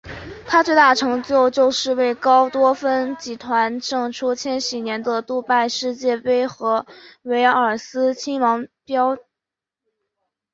它最大的成就就是为高多芬集团胜出千禧年的杜拜世界杯和威尔斯亲王锦标。